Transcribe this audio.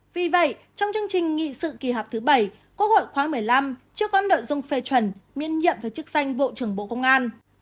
vì vậy trong chương trình nghị sự kỳ họp thứ bảy quốc hội khóa một mươi năm chưa có nội dung phê chuẩn miễn nhiệm với chức danh bộ trưởng bộ công an